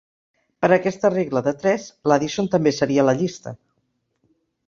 Per aquesta regla de tres, l'Adisson també seria a la llista.